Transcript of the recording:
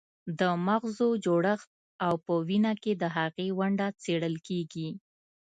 د مغزو جوړښت او په وینا کې د هغې ونډه څیړل کیږي